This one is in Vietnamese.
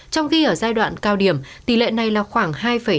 trong khi ở giai đoạn cao điểm tỷ lệ này là khoảng hai hai